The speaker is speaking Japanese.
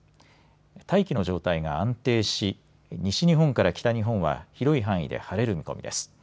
大気の状態が安定し西日本から北日本は広い範囲で晴れる見込みです。